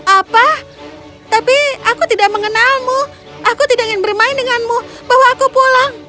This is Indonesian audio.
apa tapi aku tidak mengenalmu aku tidak ingin bermain denganmu bahwa aku pulang